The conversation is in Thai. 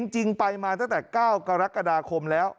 จริงไปมาตั้งแต่๙กรกฎาคมแล้ว